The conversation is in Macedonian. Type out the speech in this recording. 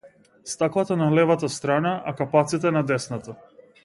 Стаклата на левата страна, а капаците на десната.